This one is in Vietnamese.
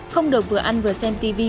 không được vừa ăn vừa xem tv